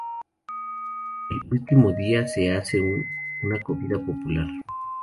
El último día se hace una comida popular.